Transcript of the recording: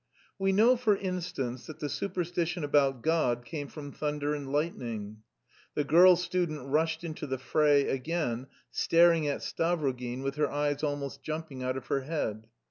"We know, for instance, that the superstition about God came from thunder and lightning." The girl student rushed into the fray again, staring at Stavrogin with her eyes almost jumping out of her head.